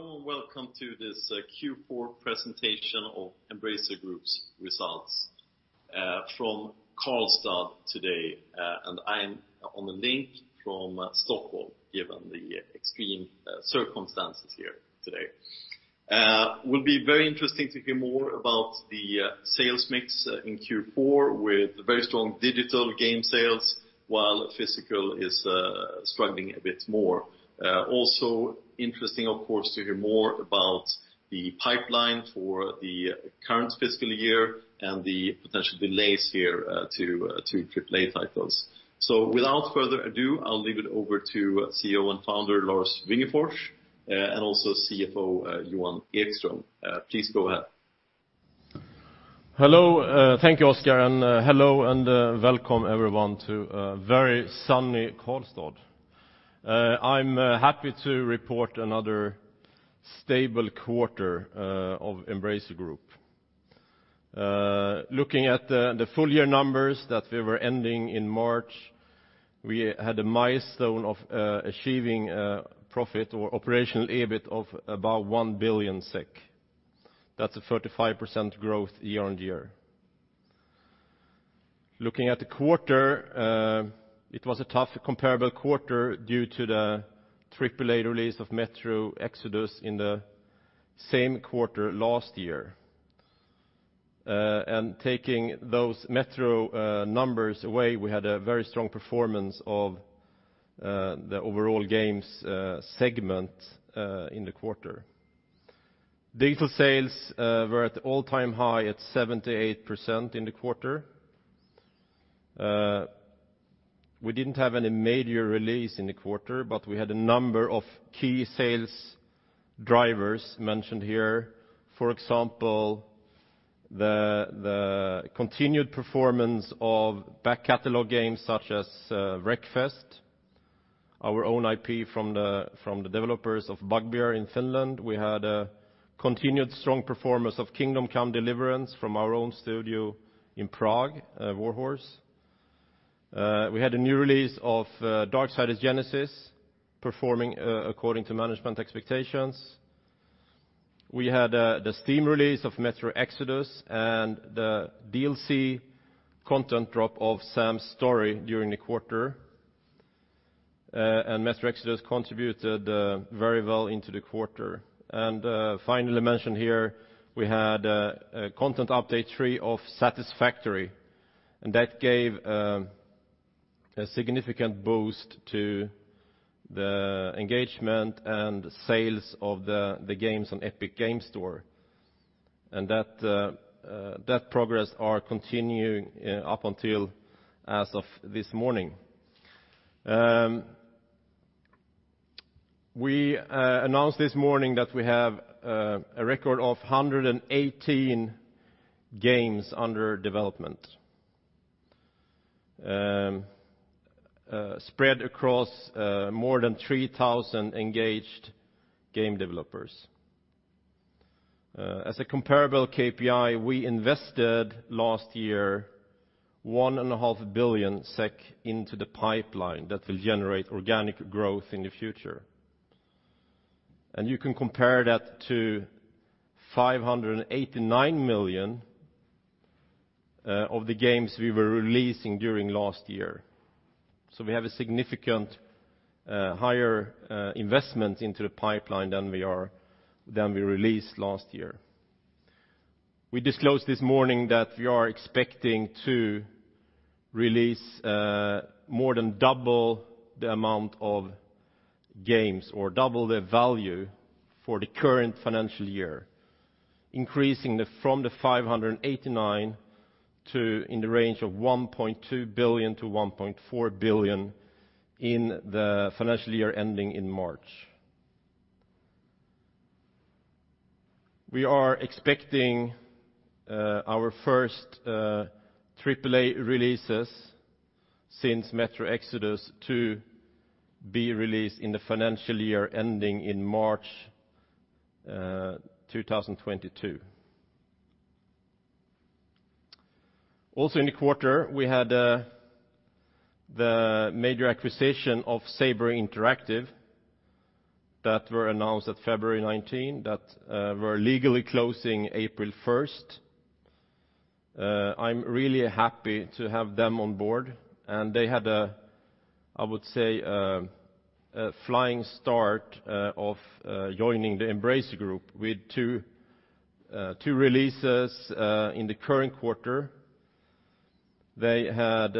Hello, welcome to this Q4 presentation of Embracer Group's results from Karlstad today. I am on the link from Stockholm, given the extreme circumstances here today. Will be very interesting to hear more about the sales mix in Q4 with very strong digital game sales while physical is struggling a bit more. Also interesting, of course, to hear more about the pipeline for the current fiscal year and the potential delays here to AAA titles. Without further ado, I'll leave it over to CEO and Founder, Lars Wingefors, and also CFO Johan Ekström. Please go ahead. Hello. Thank you, Oscar, and hello, and welcome everyone to a very sunny Karlstad. I'm happy to report another stable quarter of Embracer Group. Looking at the full year numbers that we were ending in March, we had a milestone of achieving profit or operational EBIT of about 1 billion SEK. That's a 35% growth year-on-year. Looking at the quarter, it was a tough comparable quarter due to the AAA release of *Metro Exodus* in the same quarter last year. Taking those Metro numbers away, we had a very strong performance of the overall games segment in the quarter. Digital sales were at all-time high at 78% in the quarter. We didn't have any major release in the quarter, but we had a number of key sales drivers mentioned here. For example, the continued performance of back catalog games such as "Wreckfest," our own IP from the developers of Bugbear in Finland. We had a continued strong performance of "Kingdom Come: Deliverance" from our own studio in Prague, Warhorse. We had a new release of "Darksiders Genesis" performing according to management expectations. We had the Steam release of "Metro Exodus" and the DLC content drop of "Sam's Story" during the quarter, and "Metro Exodus" contributed very well into the quarter. Finally mentioned here, we had a content update three of "Satisfactory," and that gave a significant boost to the engagement and sales of the games on Epic Games Store. That progress are continuing up until as of this morning. We announced this morning that we have a record of 118 games under development spread across more than 3,000 engaged game developers. As a comparable KPI, we invested last year one and a half billion SEK into the pipeline that will generate organic growth in the future. You can compare that to 589 million of the games we were releasing during last year. We have a significant higher investment into the pipeline than we released last year. We disclosed this morning that we are expecting to release more than double the amount of games or double the value for the current financial year, increasing from the 589 to in the range of 1.2 billion-1.4 billion in the financial year ending in March. We are expecting our first AAA releases since Metro Exodus to be released in the financial year ending in March 2022. In the quarter, we had the major acquisition of Saber Interactive that were announced at February 19, that were legally closing April 1st. I'm really happy to have them on board, and they had, I would say, a flying start of joining the Embracer Group with two releases in the current quarter. They had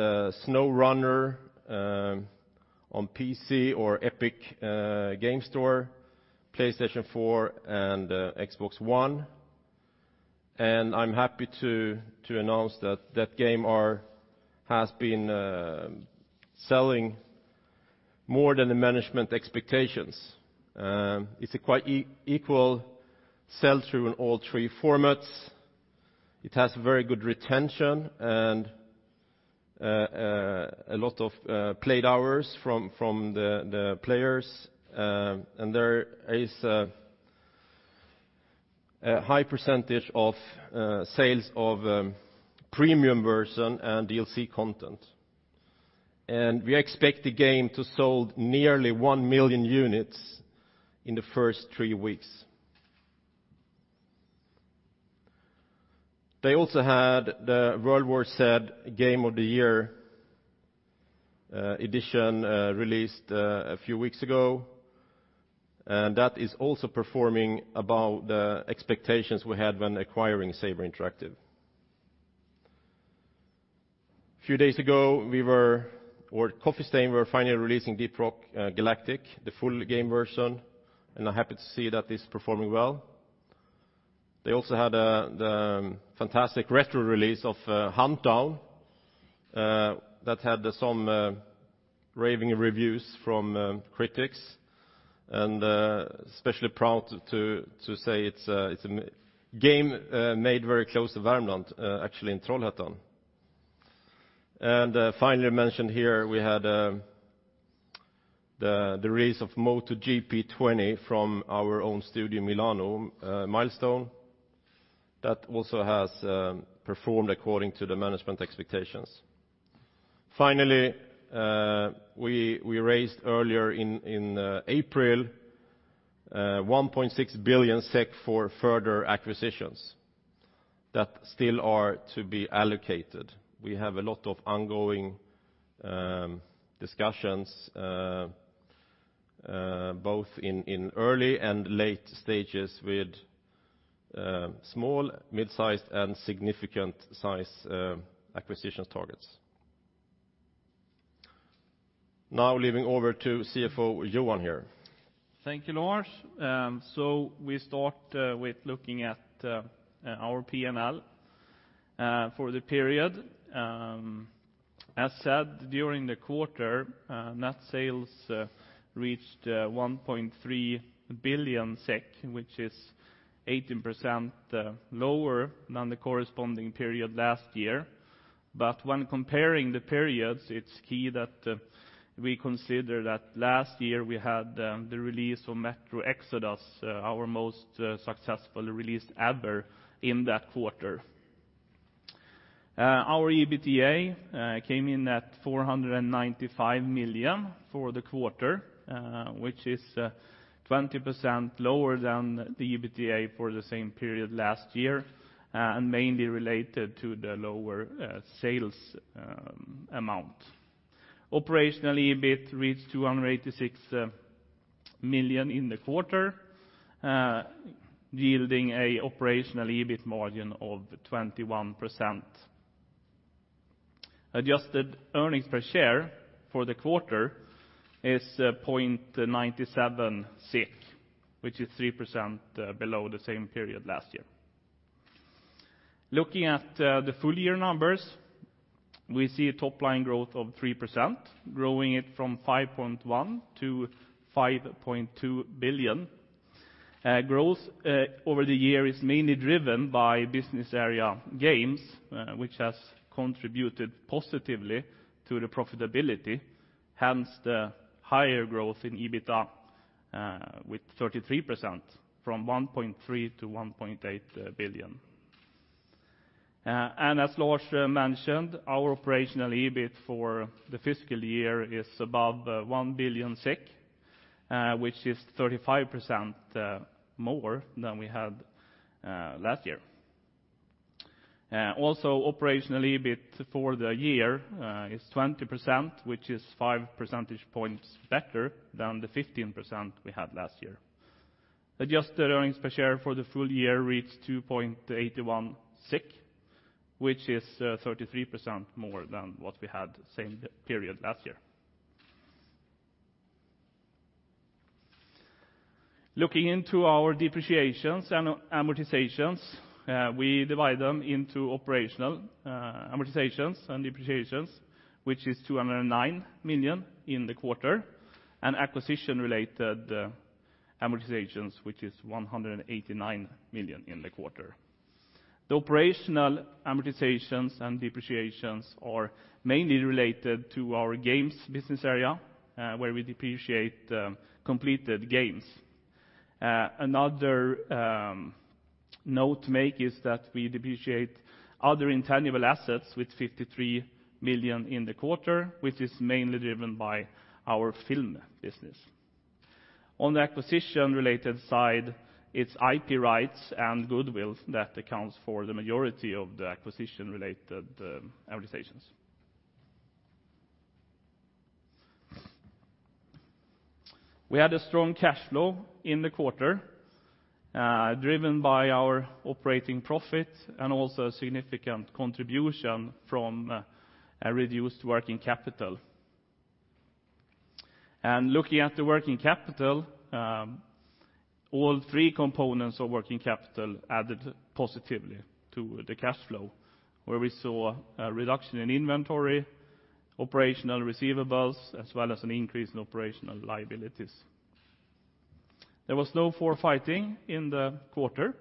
"SnowRunner" on PC or Epic Games Store, PlayStation 4 and Xbox One, and I'm happy to announce that that game has been selling more than the management expectations. It's a quite equal sell through in all three formats. It has very good retention and a lot of played hours from the players. There is a high % of sales of premium version and DLC content. We expect the game to sell nearly 1 million units in the first three weeks. They also had the "World War Z" Game of the Year edition released a few weeks ago, and that is also performing above the expectations we had when acquiring Saber Interactive. A few days ago, we were at Coffee Stain, we were finally releasing Deep Rock Galactic, the full game version, and I'm happy to see that it's performing well. They also had the fantastic retro release of Huntdown that had some raving reviews from critics, and especially proud to say it's a game made very close to Värmland, actually in Trollhättan. Finally, mention here we had the release of MotoGP 20 from our own Studio Milano Milestone. That also has performed according to the management expectations. Finally, we raised earlier in April, 1.6 billion SEK for further acquisitions that still are to be allocated. We have a lot of ongoing discussions, both in early and late stages with small, mid-sized, and significant size acquisition targets. Leaving over to CFO Johan here. Thank you, Lars. We start with looking at our P&L for the period. As said, during the quarter, net sales reached 1.3 billion SEK, which is 18% lower than the corresponding period last year. When comparing the periods, it's key that we consider that last year we had the release of Metro Exodus, our most successful release ever in that quarter. Our EBITDA came in at 495 million for the quarter, which is 20% lower than the EBITDA for the same period last year, and mainly related to the lower sales amount. Operational EBIT reached 286 million in the quarter, yielding an operational EBIT margin of 21%. Adjusted earnings per share for the quarter is 0.97 SEK, which is 3% below the same period last year. Looking at the full-year numbers, we see a top-line growth of 3%, growing it from 5.1 billion-5.2 billion. Growth over the year is mainly driven by business area games, which has contributed positively to the profitability, hence the higher growth in EBITDA with 33%, from 1.3 billion-1.8 billion. As Lars mentioned, our operational EBIT for the fiscal year is above 1 billion SEK, which is 35% more than we had last year. Operational EBIT for the year is 20%, which is five percentage points better than the 15% we had last year. Adjusted earnings per share for the full year reached 2.81, which is 33% more than what we had same period last year. Looking into our depreciations and amortizations, we divide them into operational amortizations and depreciations, which is 209 million in the quarter, and acquisition-related amortizations, which is 189 million in the quarter. The operational amortizations and depreciations are mainly related to our games business area, where we depreciate completed games. Another note to make is that we depreciate other intangible assets with 53 million in the quarter, which is mainly driven by our film business. On the acquisition-related side, it's IP rights and goodwill that accounts for the majority of the acquisition-related amortizations. We had a strong cash flow in the quarter, driven by our operating profit and also a significant contribution from a reduced working capital. Looking at the working capital, all three components of working capital added positively to the cash flow, where we saw a reduction in inventory, operational receivables, as well as an increase in operational liabilities. There was no forfaiting in the quarter.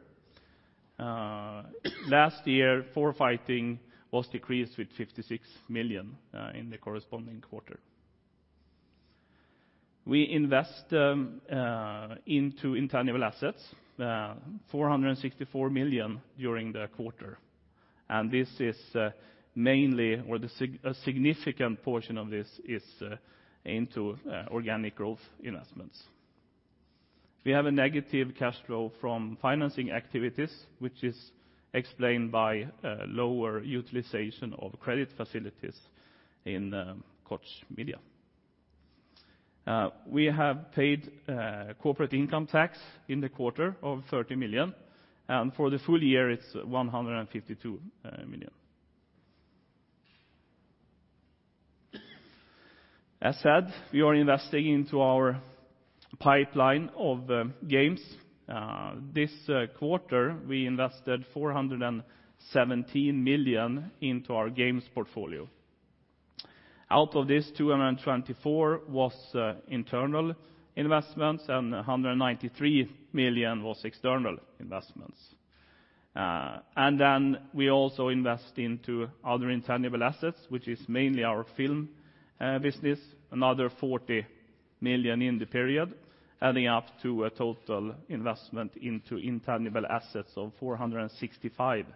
Last year, forfaiting was decreased with 56 million in the corresponding quarter. We invest into intangible assets, 464 million during the quarter. This is mainly, or a significant portion of this is into organic growth investments. We have a negative cash flow from financing activities, which is explained by lower utilization of credit facilities in Koch Media. We have paid corporate income tax in the quarter of 30 million, and for the full year it's 152 million. As said, we are investing into our pipeline of games. This quarter, we invested 417 million into our games portfolio. Out of this, 224 million was internal investments and 193 million was external investments. We also invest into other intangible assets, which is mainly our film business, another 40 million in the period, adding up to a total investment into intangible assets of 465 million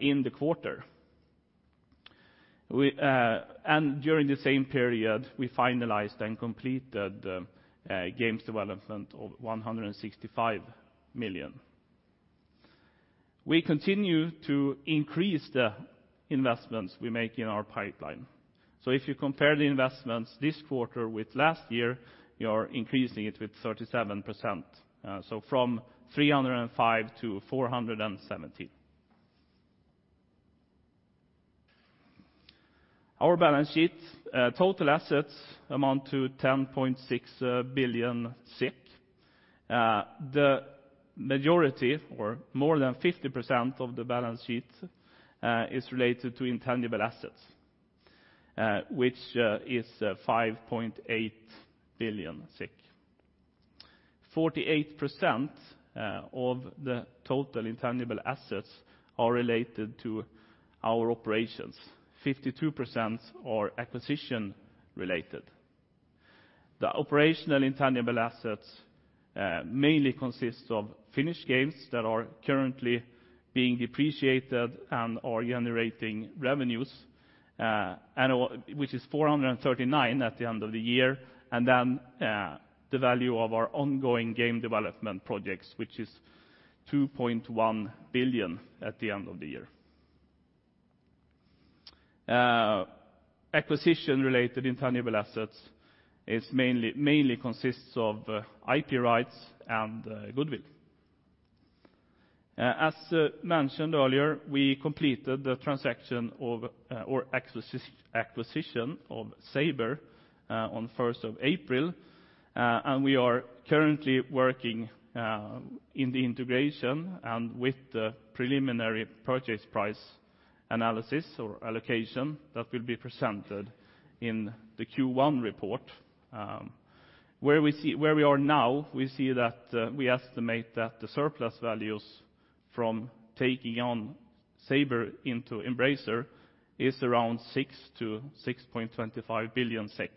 in the quarter. During the same period, we finalized and completed games development of 165 million. We continue to increase the investments we make in our pipeline. If you compare the investments this quarter with last year, you are increasing it with 37%. From SEK 305 to SEK 470. Our balance sheet total assets amount to 10.6 billion. The majority or more than 50% of the balance sheet is related to intangible assets, which is SEK 5.8 billion. 48% of the total intangible assets are related to our operations, 52% are acquisition related. The operational intangible assets mainly consists of finished games that are currently being depreciated and are generating revenues, which is 439 at the end of the year. The value of our ongoing game development projects, which is 2.1 billion at the end of the year. Acquisition related intangible assets mainly consists of IP rights and goodwill. As mentioned earlier, we completed the acquisition of Saber on 1st of April. We are currently working in the integration and with the preliminary purchase price analysis or allocation that will be presented in the Q1 report. Where we are now, we see that we estimate that the surplus values from taking on Saber into Embracer is around 6 billion-6.25 billion SEK.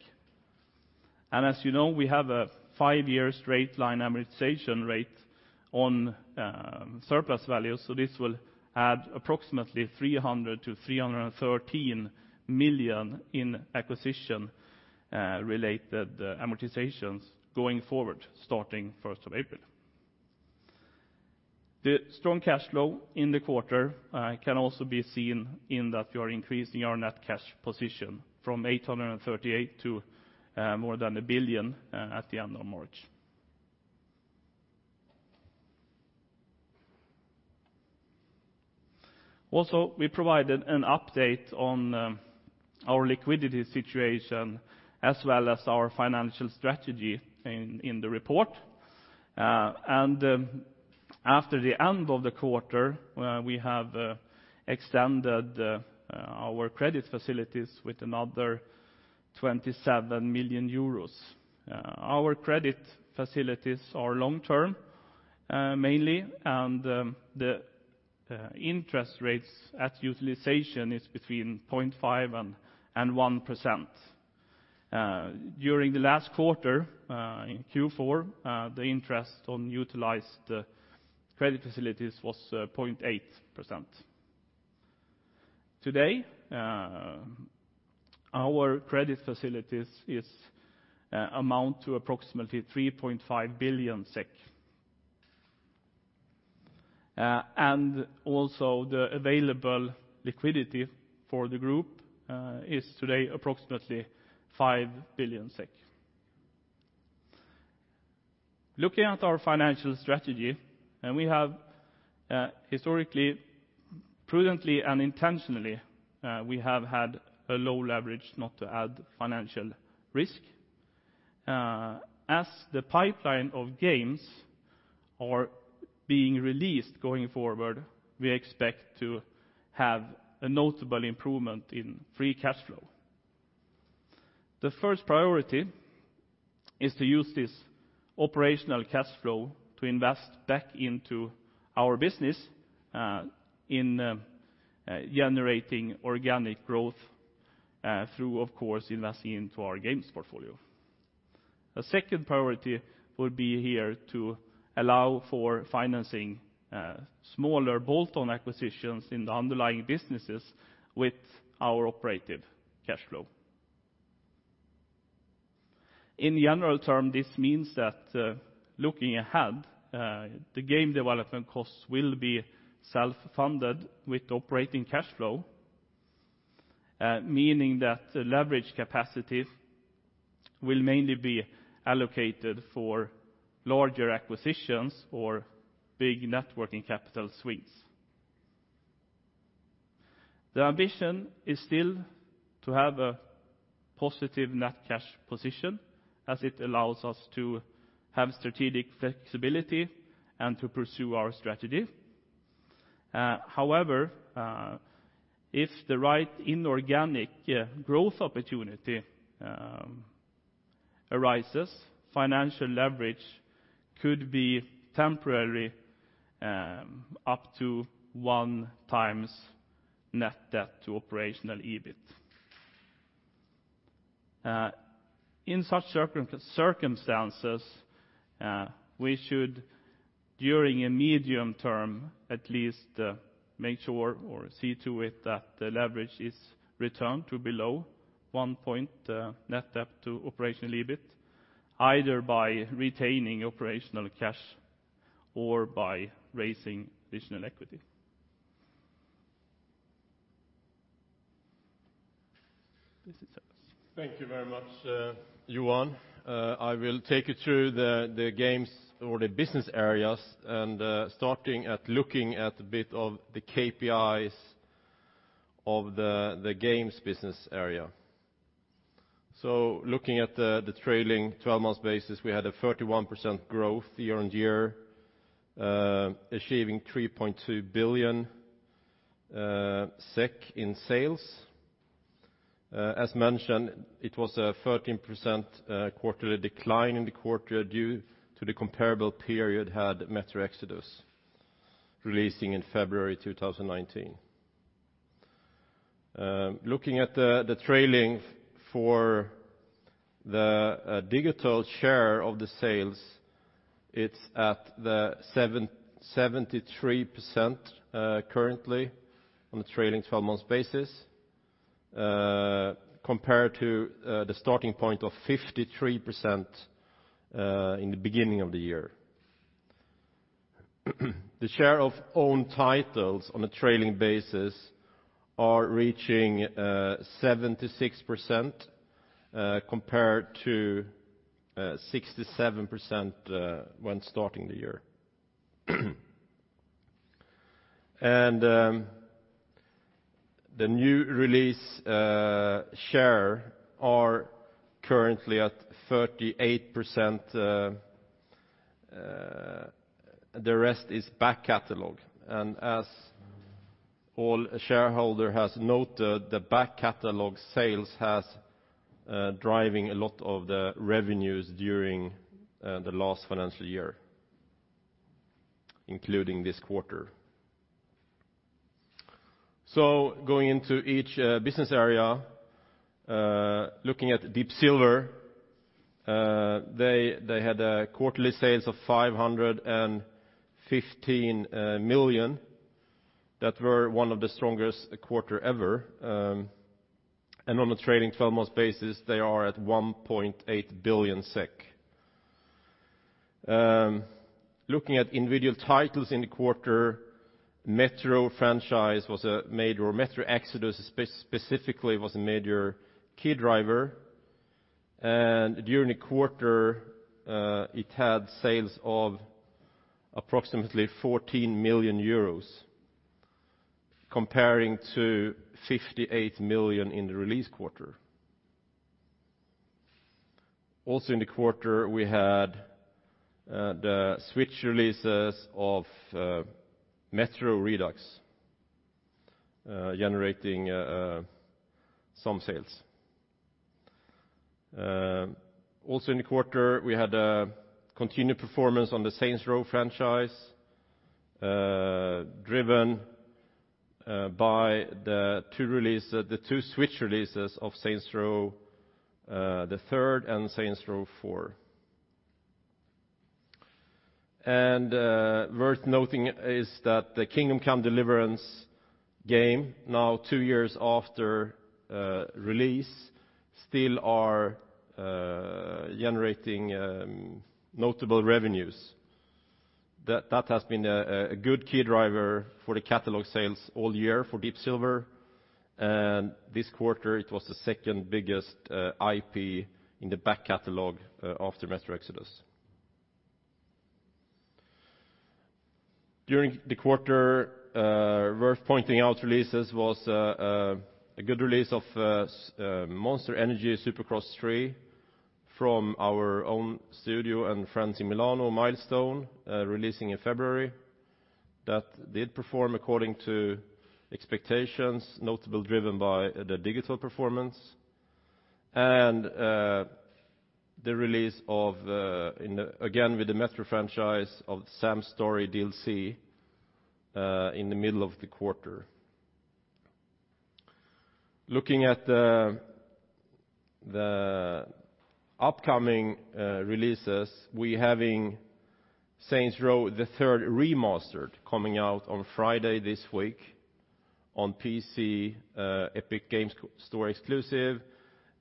As you know, we have a five-year straight line amortization rate on surplus value. This will add approximately 300 million-313 million in acquisition related amortizations going forward starting 1st of April. The strong cash flow in the quarter can also be seen in that we are increasing our net cash position from 838 million to more than 1 billion at the end of March. Also, we provided an update on our liquidity situation as well as our financial strategy in the report. After the end of the quarter, we have extended our credit facilities with another 27 million euros. Our credit facilities are long-term mainly, and the interest rates at utilization is between 0.5% and 1%. During the last quarter, in Q4, the interest on utilized credit facilities was 0.8%. Today, our credit facilities amount to approximately 3.5 billion SEK. Also the available liquidity for the group is today approximately SEK 5 billion. Looking at our financial strategy, we have historically, prudently, and intentionally we have had a low leverage not to add financial risk. As the pipeline of games are being released going forward, we expect to have a notable improvement in free cash flow. The first priority is to use this operational cash flow to invest back into our business in generating organic growth through, of course, investing into our games portfolio. A second priority will be here to allow for financing smaller bolt-on acquisitions in the underlying businesses with our operating cash flow. In general term, this means that looking ahead, the game development costs will be self-funded with operating cash flow, meaning that leverage capacity will mainly be allocated for larger acquisitions or big net working capital swings. The ambition is still to have a positive net cash position as it allows us to have strategic flexibility and to pursue our strategy. However, if the right inorganic growth opportunity arises, financial leverage could be temporarily up to 1x net debt to operational EBIT. In such circumstances, we should, during a medium term at least, make sure or see to it that the leverage is returned to below 1x net debt to operational EBIT, either by retaining operating cash or by raising additional equity. This is Lars. Thank you very much, Johan. I will take you through the games or the business areas and starting at looking at a bit of the KPIs of the games business area. Looking at the trailing 12 months basis, we had a 31% growth year-on-year, achieving 3.2 billion SEK in sales. As mentioned, it was a 13% quarterly decline in the quarter due to the comparable period had Metro Exodus releasing in February 2019. Looking at the trailing for the digital share of the sales, it's at the 73% currently on a trailing 12 months basis, compared to the starting point of 53% in the beginning of the year. The share of own titles on a trailing basis are reaching 76%, compared to 67% when starting the year. The new release share are currently at 38%, the rest is back catalog. As all shareholder has noted, the back catalog sales has driving a lot of the revenues during the last financial year, including this quarter. Going into each business area, looking at Deep Silver, they had a quarterly sales of 515 million that were one of the strongest quarter ever. On a trailing 12 months basis, they are at 1.8 billion SEK. Looking at individual titles in the quarter, Metro franchise, or Metro Exodus specifically was a major key driver. During the quarter, it had sales of approximately 14 million euros comparing to 58 million in the release quarter. Also in the quarter, we had the Switch releases of Metro Redux generating some sales. In the quarter, we had a continued performance on the Saints Row franchise, driven by the two Switch releases of Saints Row: The Third and Saints Row IV. Worth noting is that the Kingdom Come: Deliverance game, now two years after release, still are generating notable revenues. That has been a good key driver for the catalog sales all year for Deep Silver. This quarter, it was the second biggest IP in the back catalog after Metro Exodus. During the quarter, worth pointing out releases was a good release of Monster Energy Supercross 3 from our own studio and friends in Milano, Milestone, releasing in February. That did perform according to expectations, notably driven by the digital performance. The release, again with the Metro franchise, of the Sam's Story DLC in the middle of the quarter. Looking at the upcoming releases, we're having Saints Row: The Third Remastered coming out on Friday this week on PC, Epic Games Store exclusive,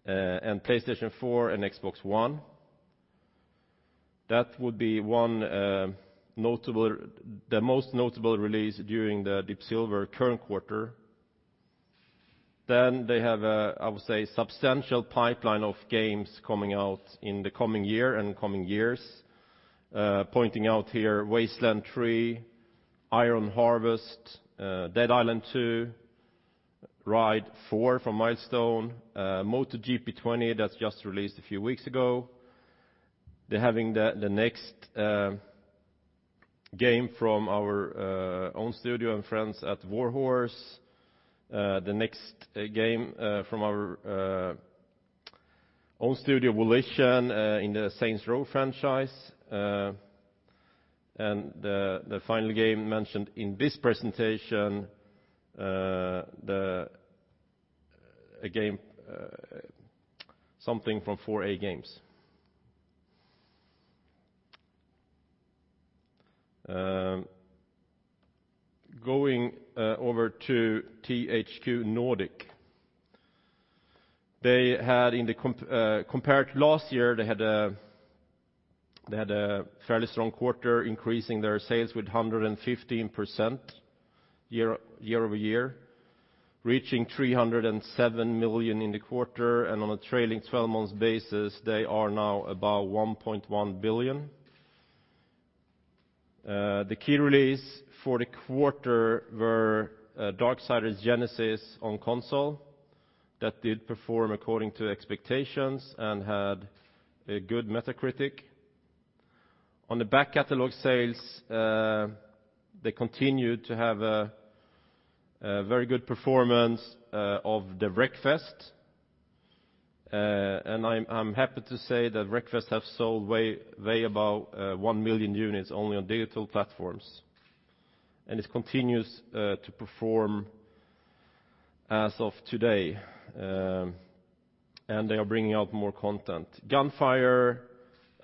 and PlayStation 4 and Xbox One. That would be the most notable release during the Deep Silver current quarter. They have a, I would say, substantial pipeline of games coming out in the coming year and coming years. Pointing out here, Wasteland 3, Iron Harvest, Dead Island 2, Ride 4 from Milestone, MotoGP 20, that's just released a few weeks ago. They're having the next game from our own studio and friends at Warhorse. The next game from our own studio, Volition, in the Saints Row franchise. The final game mentioned in this presentation, something from 4A Games. Going over to THQ Nordic. Compared to last year, they had a fairly strong quarter, increasing their sales with 115% year-over-year, reaching 307 million in the quarter. On a trailing 12 months basis, they are now about 1.1 billion. The key release for the quarter were Darksiders Genesis on console. That did perform according to expectations and had a good Metacritic. On the back catalog sales, they continued to have a very good performance of the Wreckfest. I'm happy to say that Wreckfest have sold way above 1 million units only on digital platforms, and it continues to perform as of today. They are bringing out more content. Gunfire,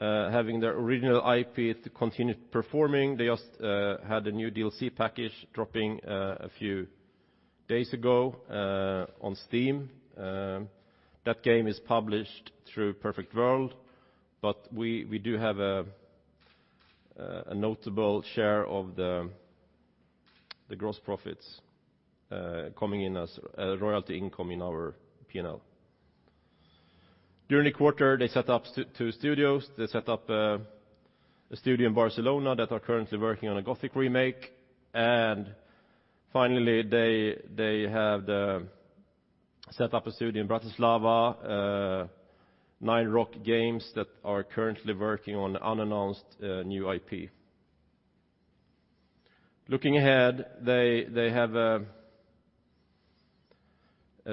having their original IP, continued performing. They just had a new DLC package dropping a few days ago on Steam. That game is published through Perfect World. We do have a notable share of the gross profits coming in as a royalty income in our P&L. During the quarter, they set up two studios. They set up a studio in Barcelona that are currently working on a Gothic Remake. Finally, they have set up a studio in Bratislava, Nine Rocks Games, that are currently working on unannounced new IP. Looking ahead, they have a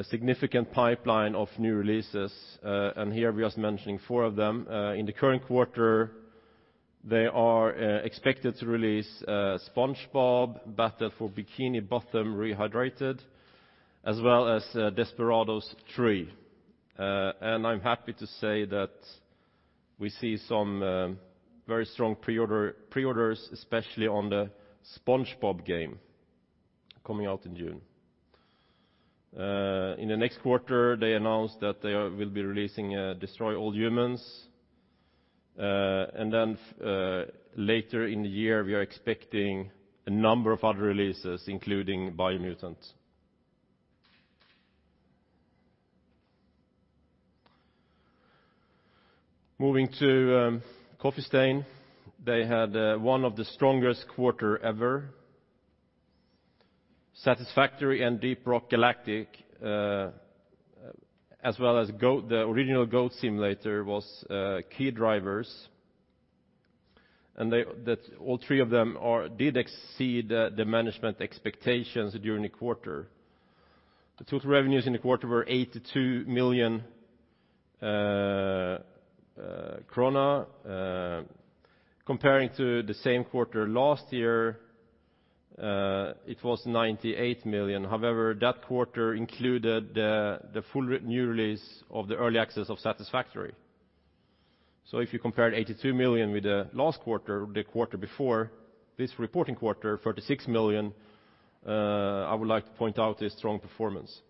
significant pipeline of new releases. Here we are just mentioning four of them. In the current quarter, they are expected to release SpongeBob: Battle for Bikini Bottom - Rehydrated, as well as Desperados III. I'm happy to say that we see some very strong pre-orders, especially on the SpongeBob game coming out in June. In the next quarter, they announced that they will be releasing Destroy All Humans! Later in the year, we are expecting a number of other releases, including Biomutant. Moving to Coffee Stain. They had one of the strongest quarter ever. Satisfactory and Deep Rock Galactic, as well as the original Goat Simulator, was key drivers. All three of them did exceed the management expectations during the quarter. The total revenues in the quarter were 82 million krona. Comparing to the same quarter last year, it was 98 million. However, that quarter included the full new release of the early access of Satisfactory. If you compare 82 million with the last quarter, the quarter before this reporting quarter, 36 million, I would like to point out a strong performance.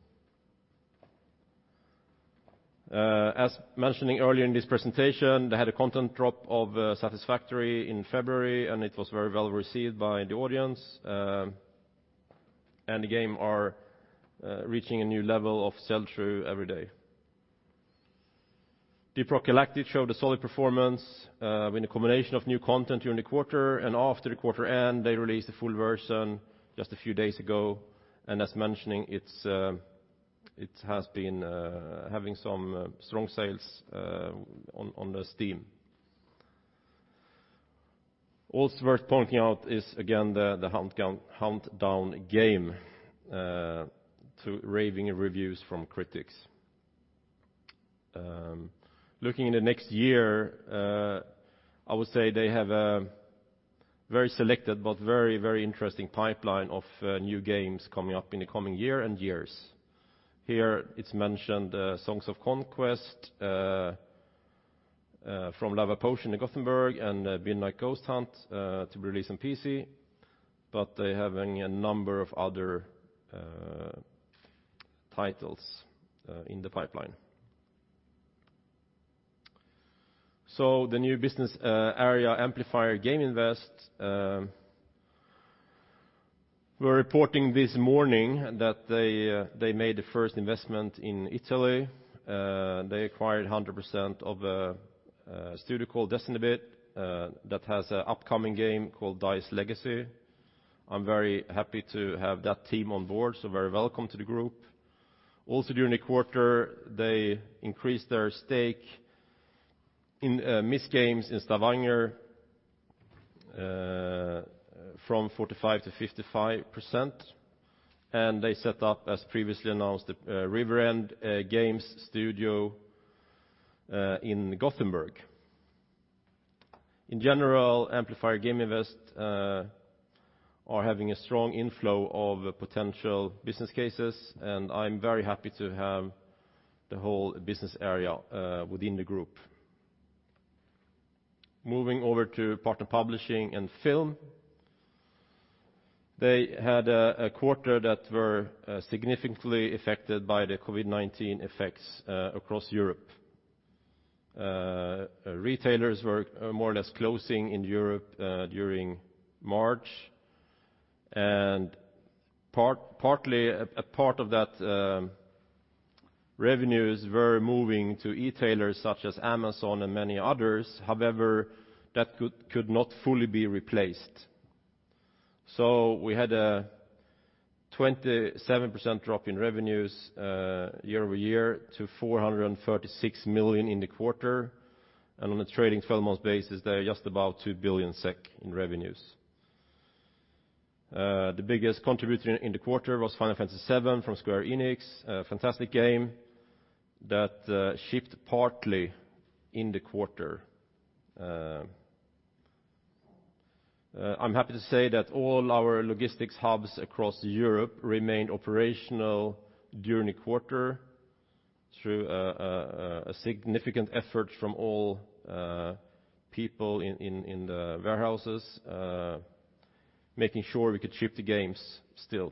As mentioning earlier in this presentation, they had a content drop of Satisfactory in February, and it was very well received by the audience. The game are reaching a new level of sell-through every day. Deep Rock Galactic showed a solid performance with a combination of new content during the quarter. After the quarter end, they released the full version just a few days ago. As mentioning, it has been having some strong sales on the Steam. Also worth pointing out is, again, the Huntdown game to raving reviews from critics. Looking in the next year, I would say they have a very selected, but very interesting pipeline of new games coming up in the coming year and years. Here it's mentioned Songs of Conquest from Lavapotion in Gothenburg and Midnight Ghost Hunt to be released on PC, but they're having a number of other titles in the pipeline. The new business area, Amplifier Game Invest, were reporting this morning that they made the first investment in Italy. They acquired 100% of a studio called DESTINYbit that has an upcoming game called Dice Legacy. I'm very happy to have that team on board, so very welcome to the group. During the quarter, they increased their stake in Misc Games in Stavanger from 45% to 55%, and they set up, as previously announced, the River End Games Studio in Gothenburg. In general, Amplifier Game Invest are having a strong inflow of potential business cases, and I'm very happy to have the whole business area within the group. Moving over to Partner Publishing and Film. They had a quarter that were significantly affected by the COVID-19 effects across Europe. Retailers were more or less closing in Europe during March, and partly a part of that revenues were moving to e-tailers such as Amazon and many others. That could not fully be replaced. We had a 27% drop in revenues year-over-year to 436 million in the quarter. On a trailing 12 months basis, they're just about 2 billion SEK in revenues. The biggest contributor in the quarter was Final Fantasy VII from Square Enix, a fantastic game that shipped partly in the quarter. I'm happy to say that all our logistics hubs across Europe remained operational during the quarter through a significant effort from all people in the warehouses, making sure we could ship the games still.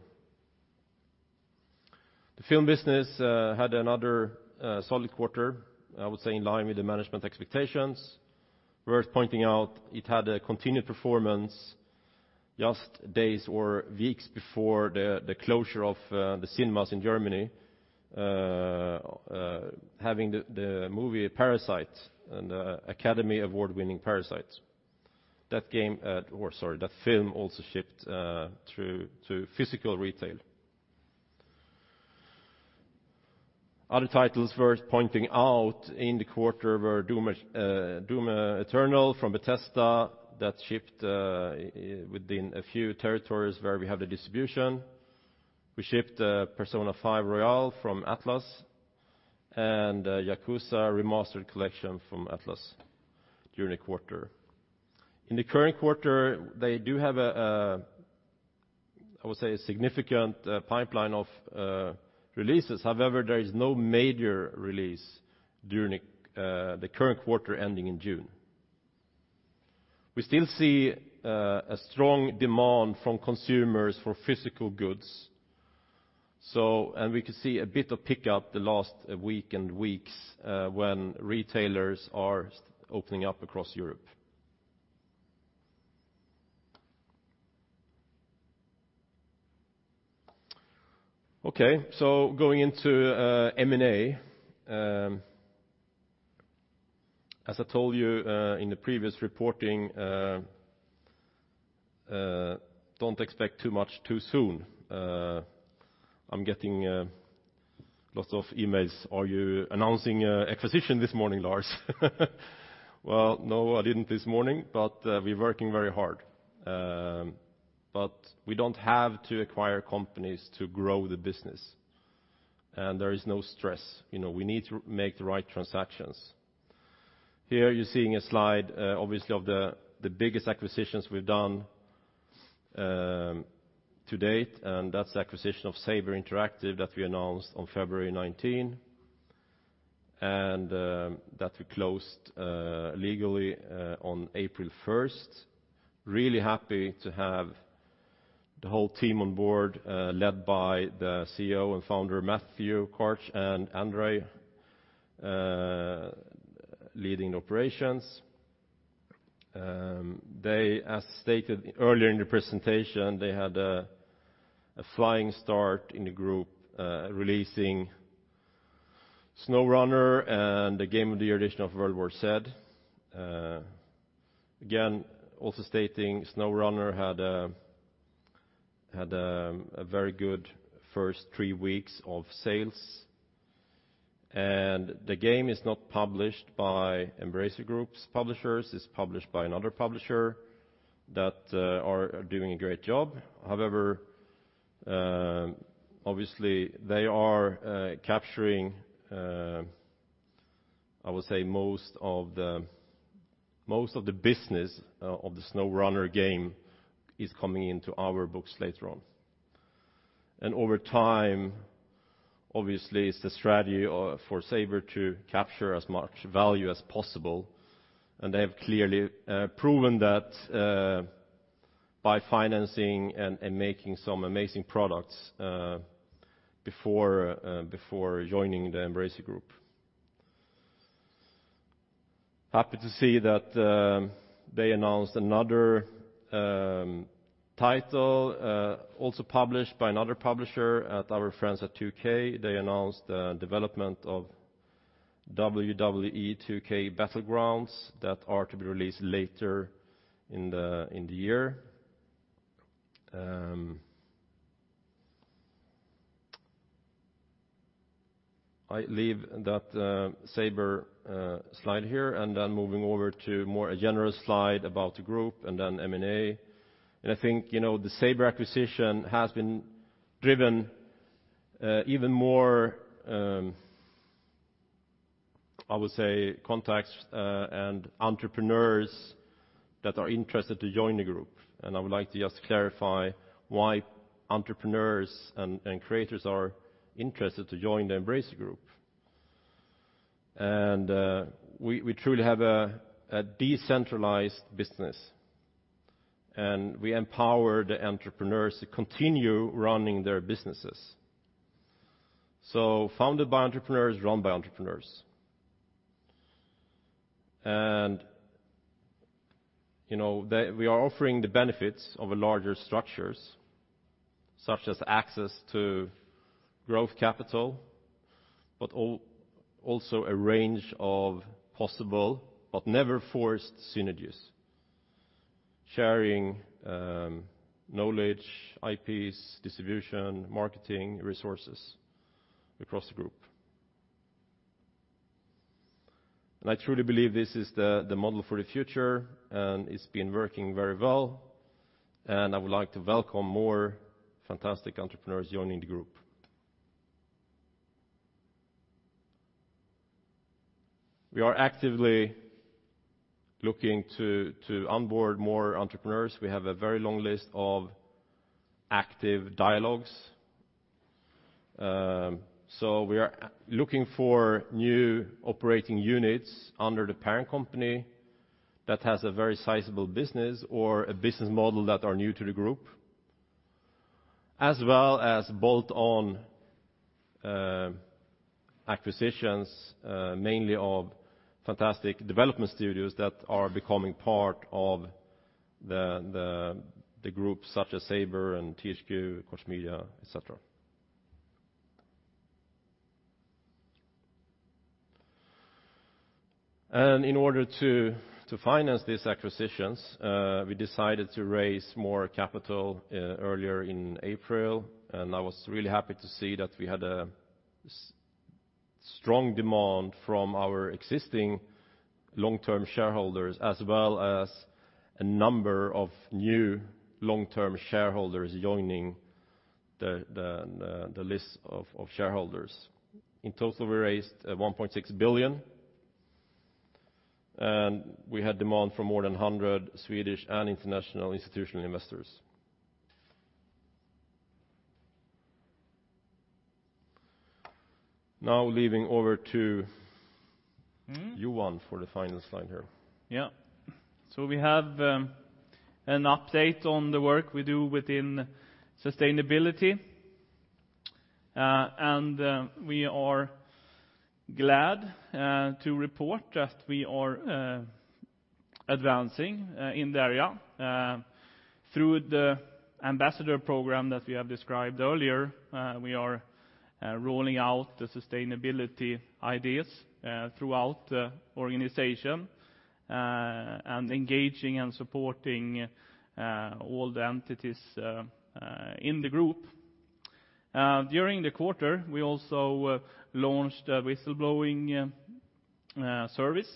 The film business had another solid quarter, I would say in line with the management expectations. Worth pointing out, it had a continued performance just days or weeks before the closure of the cinemas in Germany, having the movie Parasite and the Academy Award-winning Parasite. That film also shipped through to physical retail. Other titles worth pointing out in the quarter were "DOOM Eternal" from Bethesda that shipped within a few territories where we have the distribution. We shipped "Persona 5 Royal" from Atlus and "Yakuza Remastered Collection" from Atlus during the quarter. In the current quarter, they do have a, I would say, significant pipeline of releases. However, there is no major release during the current quarter ending in June. We can see a bit of pickup the last week and weeks when retailers are opening up across Europe. Going into M&A. As I told you in the previous reporting, don't expect too much too soon. I'm getting lots of emails. "Are you announcing acquisition this morning, Lars?" No, I didn't this morning, but we're working very hard. We don't have to acquire companies to grow the business, and there is no stress. We need to make the right transactions. Here you're seeing a slide, obviously, of the biggest acquisitions we've done to date, and that's the acquisition of Saber Interactive that we announced on February 19 and that we closed legally on April 1st. Really happy to have the whole team on board led by the CEO and founder, Matthew Karch and Andrei leading operations. As stated earlier in the presentation, they had a flying start in the group releasing "SnowRunner" and the game of the year edition of "World War Z." Again, also stating "SnowRunner" had a very good first three weeks of sales. The game is not published by Embracer Group's publishers. It's published by another publisher that are doing a great job. However, obviously, they are capturing, I would say, most of the business of the "SnowRunner" game is coming into our books later on. Over time, obviously, it's the strategy for Saber to capture as much value as possible. They have clearly proven that by financing and making some amazing products before joining the Embracer Group. Happy to see that they announced another title, also published by another publisher at our friends at 2K. They announced the development of "WWE 2K Battlegrounds" that are to be released later in the year. I leave that Saber slide here and then moving over to more a general slide about the group and then M&A. I think the Saber acquisition has been driven even more, I would say, contacts and entrepreneurs that are interested to join the group. I would like to just clarify why entrepreneurs and creators are interested to join the Embracer Group. We truly have a decentralized business, and we empower the entrepreneurs to continue running their businesses. Founded by entrepreneurs, run by entrepreneurs. We are offering the benefits of larger structures, such as access to growth capital, but also a range of possible but never forced synergies. Sharing knowledge, IPs, distribution, marketing resources across the group. I truly believe this is the model for the future, and it's been working very well. I would like to welcome more fantastic entrepreneurs joining the group. We are actively looking to onboard more entrepreneurs. We have a very long list of active dialogues. We are looking for new operating units under the parent company that has a very sizable business or a business model that are new to the group, as well as bolt-on acquisitions, mainly of fantastic development studios that are becoming part of the group, such as Saber and THQ, Koch Media, et cetera. In order to finance these acquisitions, we decided to raise more capital earlier in April. I was really happy to see that we had a strong demand from our existing long-term shareholders as well as a number of new long-term shareholders joining the list of shareholders. In total, we raised 1.6 billion, and we had demand from more than 100 Swedish and international institutional investors. Leaving over to Johan for the final slide here. Yeah. We have an update on the work we do within sustainability. We are glad to report that we are advancing in the area. Through the ambassador program that we have described earlier, we are rolling out the sustainability ideas throughout the organization and engaging and supporting all the entities in the group. During the quarter, we also launched a whistleblowing service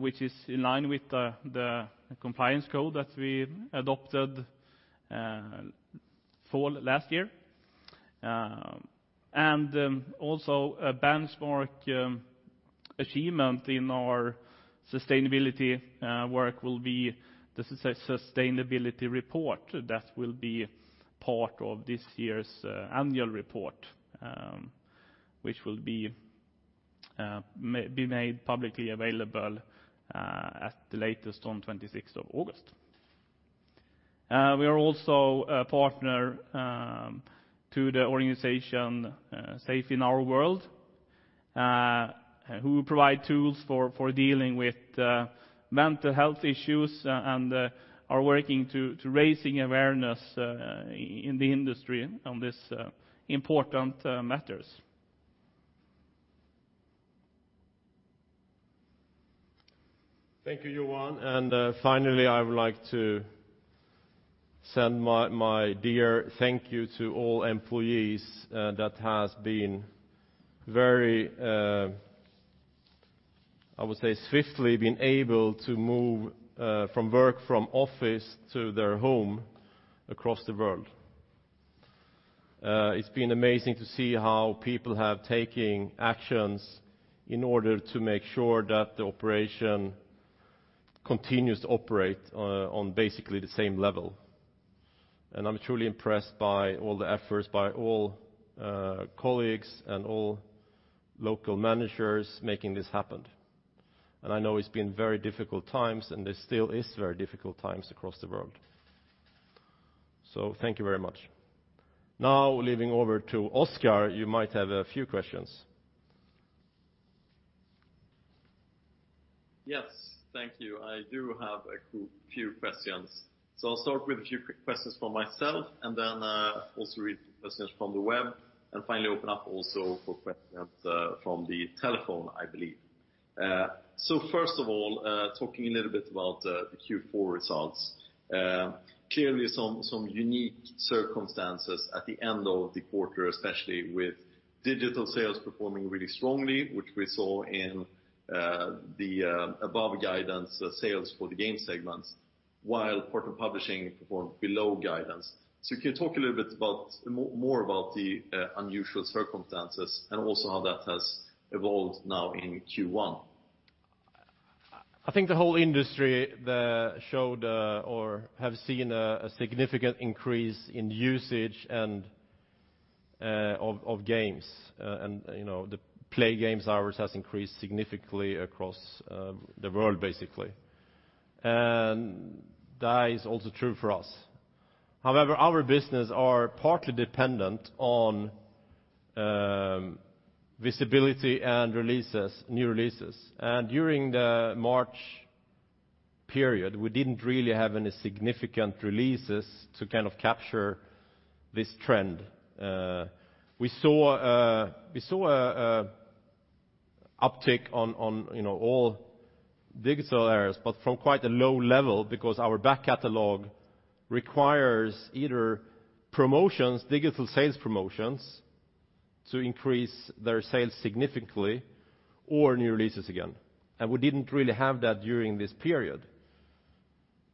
which is in line with the compliance code that we adopted fall last year. Also a benchmark achievement in our sustainability work will be the sustainability report that will be part of this year's annual report which will be made publicly available at the latest on 26th of August. We are also a partner to the organization Safe in Our World, who provide tools for dealing with mental health issues and are working to raising awareness in the industry on these important matters. Thank you, Johan. Finally, I would like to send my dear thank you to all employees that have, I would say, swiftly been able to move from work from office to their home across the world. It's been amazing to see how people have taken actions in order to make sure that the operation continues to operate on basically the same level. I'm truly impressed by all the efforts by all colleagues and all local managers making this happen. I know it's been very difficult times, and it still is very difficult times across the world. Thank you very much. Now leaving over to Oscar, you might have a few questions. Yes. Thank you. I do have a few questions. I'll start with a few quick questions from myself and then also read questions from the web, and finally open up also for questions from the telephone, I believe. First of all, talking a little bit about the Q4 results. Clearly some unique circumstances at the end of the quarter, especially with digital sales performing really strongly, which we saw in the above guidance sales for the game segments, while Partner of Publishing performed below guidance. Can you talk a little bit more about the unusual circumstances and also how that has evolved now in Q1? I think the whole industry showed or have seen a significant increase in usage of games. The play games hours has increased significantly across the world, basically. That is also true for us. However, our business are partly dependent on visibility and new releases. During the March period, we didn't really have any significant releases to kind of capture this trend. We saw an uptick on all digital areas, but from quite a low level because our back catalog requires either digital sales promotions to increase their sales significantly or new releases again. We didn't really have that during this period.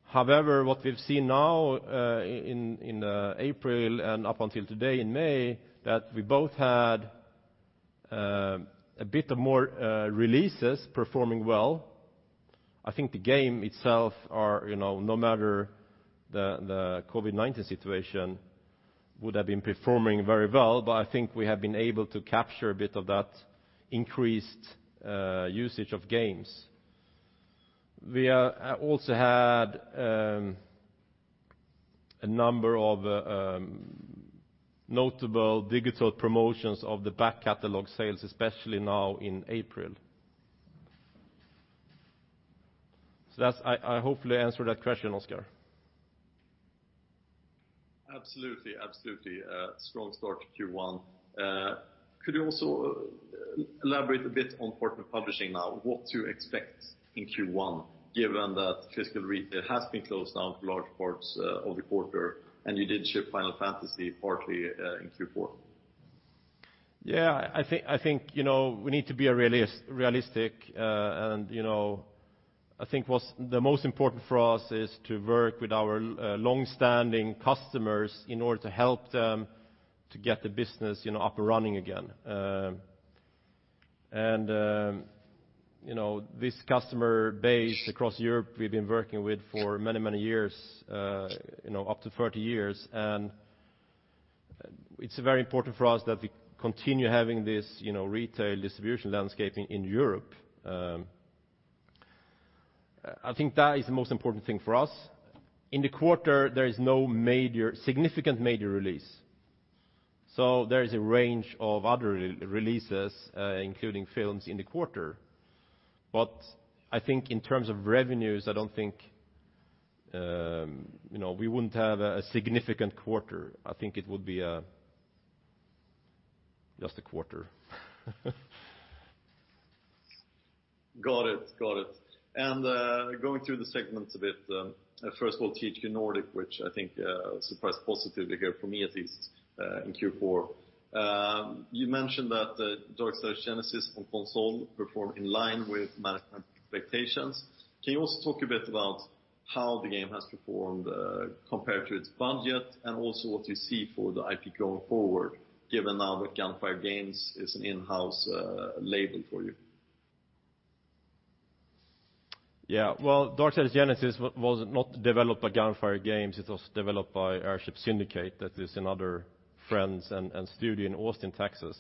However, what we've seen now in April and up until today in May, that we both had a bit of more releases performing well. I think the game itself, no matter the COVID-19 situation, would have been performing very well, but I think we have been able to capture a bit of that increased usage of games. We also had a number of notable digital promotions of the back catalog sales, especially now in April. I hopefully answered that question, Oscar. Absolutely. Strong start to Q1. Could you also elaborate a bit on Port of Publishing now, what to expect in Q1, given that physical retail has been closed down for large parts of the quarter, and you did ship Final Fantasy partly in Q4? I think we need to be realistic. I think what's the most important for us is to work with our longstanding customers in order to help them to get the business up and running again. This customer base across Europe we've been working with for many years, up to 30 years. It's very important for us that we continue having this retail distribution landscaping in Europe. I think that is the most important thing for us. In the quarter, there is no significant major release. There is a range of other releases including films in the quarter. I think in terms of revenues, we wouldn't have a significant quarter. I think it would be just a quarter. Got it. Going through the segments a bit, first of all, THQ Nordic, which I think surprised positively here for me at least in Q4. You mentioned that the Darksiders Genesis on console performed in line with management expectations. Can you also talk a bit about how the game has performed compared to its budget and also what you see for the IP going forward, given now that Gunfire Games is an in-house label for you? Yeah. Well, Darksiders Genesis was not developed by Gunfire Games. It was developed by Airship Syndicate. That is another friend and studio in Austin, Texas.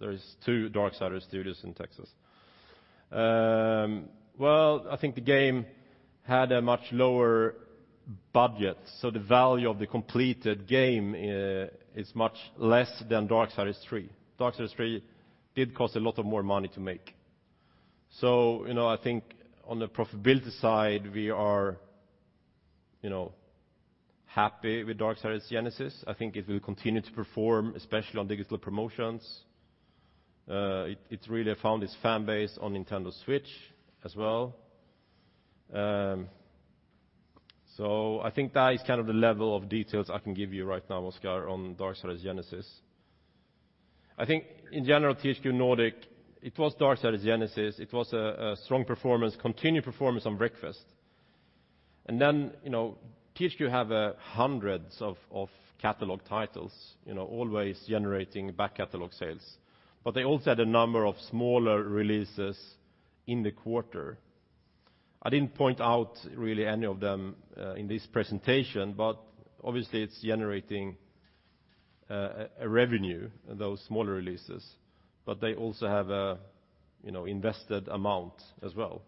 There is two Darksiders studios in Texas. Well, I think the game had a much lower budget. The value of the completed game is much less than Darksiders III. Darksiders III did cost a lot of more money to make. I think on the profitability side we are happy with Darksiders Genesis. I think it will continue to perform, especially on digital promotions. It's really found its fan base on Nintendo Switch as well. I think that is the level of details I can give you right now, Oscar, on Darksiders Genesis. I think in general, THQ Nordic, it was Darksiders Genesis. It was a strong performance, continued performance on Wreckfest. THQ have hundreds of catalog titles always generating back catalog sales. They also had a number of smaller releases in the quarter. I didn't point out really any of them in this presentation, but obviously it's generating a revenue, those smaller releases. They also have invested amount as well.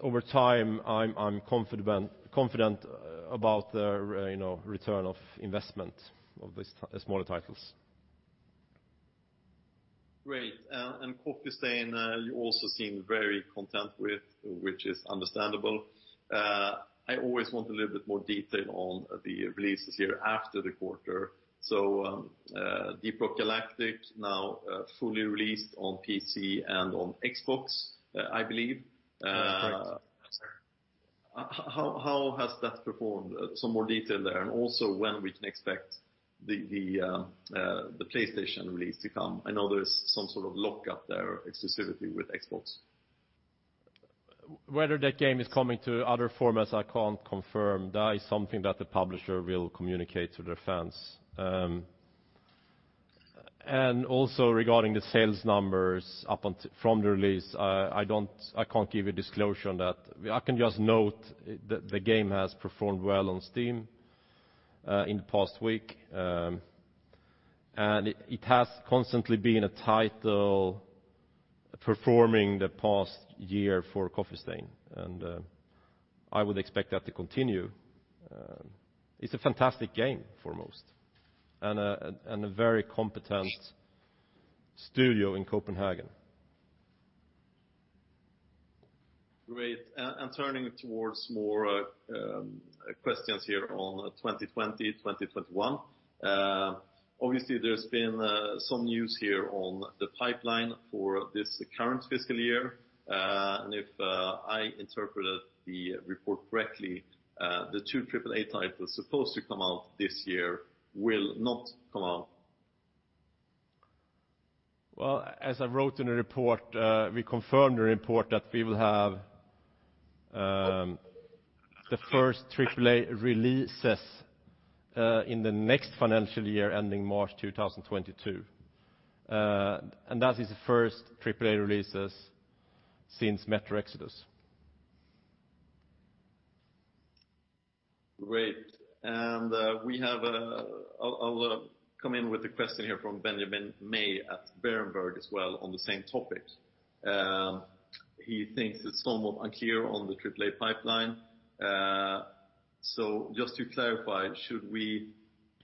Over time, I'm confident about their return of investment of the smaller titles. Great. Coffee Stain you also seem very content with, which is understandable. I always want a little bit more detail on the releases here after the quarter. Deep Rock Galactic now fully released on PC and on Xbox, I believe. That's correct. How has that performed? Some more detail there. Also when we can expect the PlayStation release to come. I know there's some sort of lockup there, exclusivity with Xbox. Whether that game is coming to other formats, I can't confirm. That is something that the publisher will communicate to their fans. Regarding the sales numbers from the release, I can't give a disclosure on that. I can just note that the game has performed well on Steam in the past week. It has constantly been a title performing the past year for Coffee Stain, and I would expect that to continue. It's a fantastic game foremost, and a very competent studio in Copenhagen. Great. Turning towards more questions here on 2020, 2021. Obviously, there's been some news here on the pipeline for this current fiscal year. If I interpreted the report correctly, the two AAA titles supposed to come out this year will not come out. Well, as I wrote in the report, we confirmed the report that we will have the first AAA releases in the next financial year ending March 2022. That is the first AAA releases since "Metro Exodus". Great. I'll come in with a question here from Benjamin May at Berenberg as well on the same topic. He thinks it's somewhat unclear on the AAA pipeline. Just to clarify, should we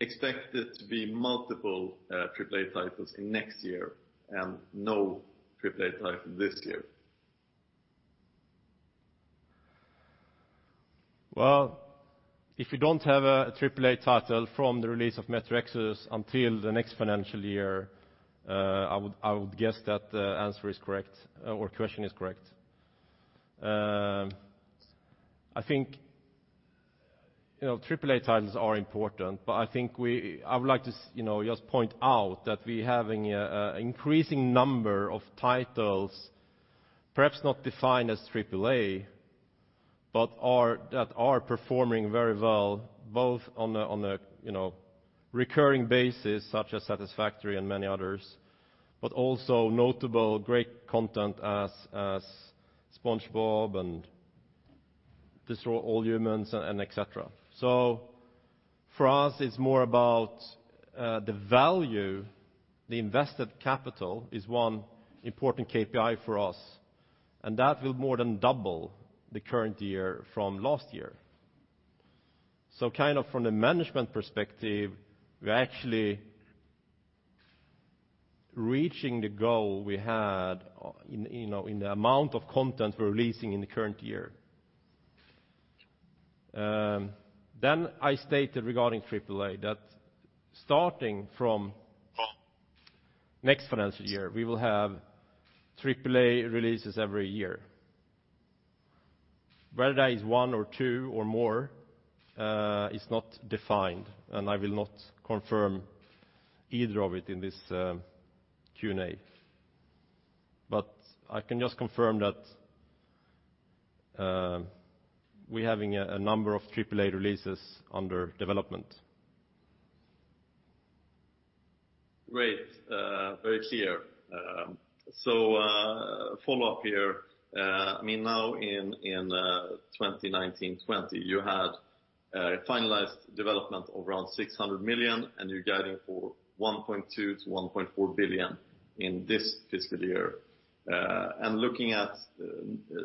expect it to be multiple AAA titles in next year and no AAA title this year? Well, if you don't have a AAA title from the release of Metro Exodus until the next financial year, I would guess that the answer is correct, or question is correct. I think AAA titles are important, but I would like to just point out that we're having an increasing number of titles, perhaps not defined as AAA, but that are performing very well, both on a recurring basis, such as Satisfactory and many others, but also notable great content as SpongeBob and Destroy All Humans! and et cetera. For us, it's more about the value. The invested capital is one important KPI for us, and that will more than double the current year from last year. From the management perspective, we're actually reaching the goal we had in the amount of content we're releasing in the current year. I stated regarding AAA that starting from next financial year, we will have AAA releases every year. Whether that is one or two or more is not defined, and I will not confirm either of it in this Q&A. I can just confirm that we're having a number of AAA releases under development. Great. Very clear. Follow up here. Now in 2019/20, you had a finalized development of around 600 million, and you're guiding for 1.2 billion to 1.4 billion in this fiscal year. Looking at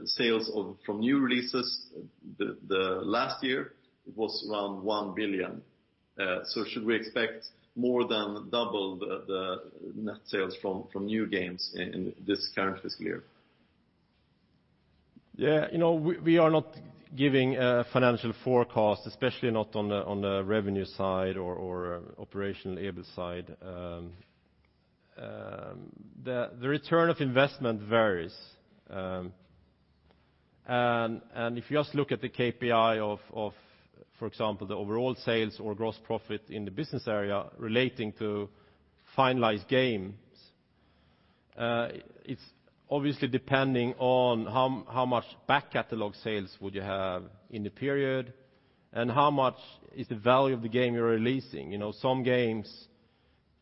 sales from new releases, the last year it was around 1 billion. Should we expect more than double the net sales from new games in this current fiscal year? We are not giving a financial forecast, especially not on the revenue side or operational EBIT side. The return on investment varies. If you just look at the KPI of, for example, the overall sales or gross profit in the business area relating to finalized games, it's obviously depending on how much back catalog sales would you have in the period, and how much is the value of the game you're releasing. Some games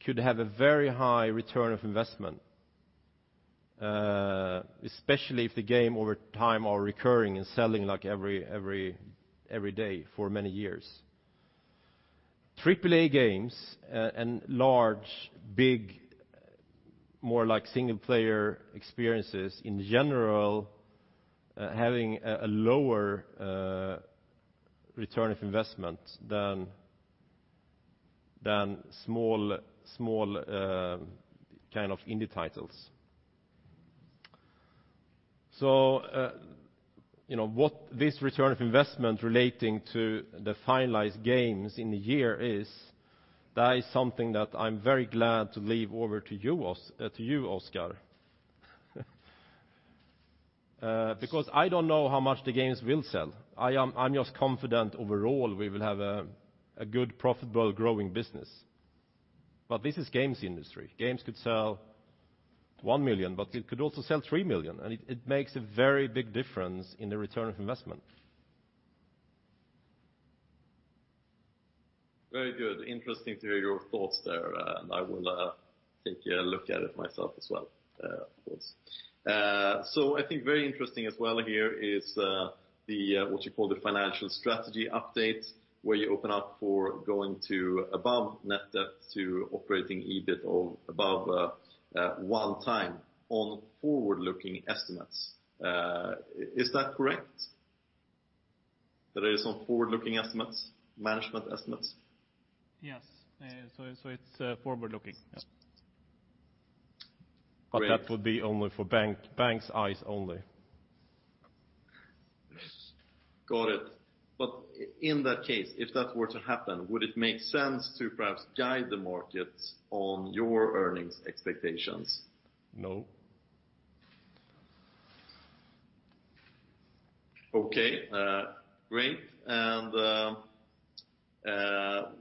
could have a very high return on investment, especially if the game over time are recurring and selling every day for many years. AAA games and large, big, more like single-player experiences in general, having a lower return on investment than small kind of indie titles. What this return on investment relating to the finalized games in the year is, that is something that I'm very glad to leave over to you, Oscar. I don't know how much the games will sell. I'm just confident overall we will have a good profitable growing business. This is games industry. Games could sell 1 million, but it could also sell 3 million, and it makes a very big difference in the return on investment. Very good. Interesting to hear your thoughts there. I will take a look at it myself as well, of course. I think very interesting as well here is what you call the financial strategy update, where you open up for going to above net debt to operating EBIT of above one time on forward-looking estimates. Is that correct? That is on forward-looking estimates, management estimates? Yes. It's forward-looking. Yes. That would be for banks' eyes only. Got it. In that case, if that were to happen, would it make sense to perhaps guide the markets on your earnings expectations? No. Okay. Great.